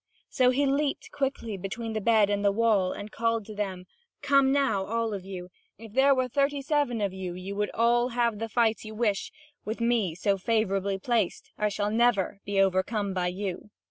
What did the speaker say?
So he leaped quickly between the bed and the wall, and called to them: "Come on now, all of you. If there were thirty seven of you, you would have all the fight you wish, with me so favourably placed; I shall never be overcome by you."